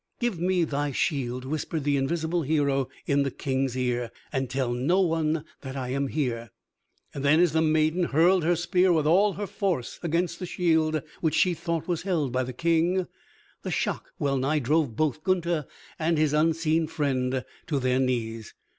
"Give me thy shield," whispered the invisible hero in the King's ear, "and tell no one that I am here." Then as the maiden hurled her spear with all her force against the shield which she thought was held by the King, the shock well nigh drove both Gunther and his unseen friend to their knees.